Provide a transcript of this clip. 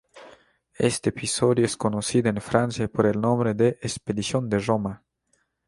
Este episodio es conocido en Francia por el nombre de expedición de Roma.